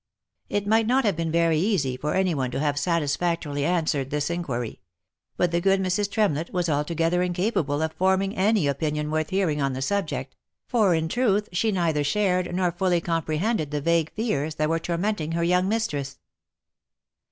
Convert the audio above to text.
It might not have been very easy for any one to have satisfactorily answered this inquiry ; but the good Mrs. Tremlett was altogether incapable of forming any opinion worth hearing on the subject, for in truth she neither shared, nor fully comprehended the vague fears, that were tormenting her young mistress.